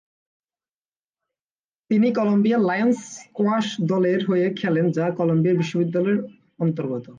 তিনি Columbia Lions squash দলের হয়েও খেলেন যা কলম্বিয়া বিশ্ববিদ্যালয়ের অন্তর্গত।